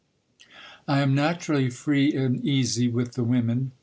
I am naturally free and easy with the women.